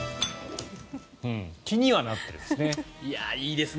気にはなってるんですね。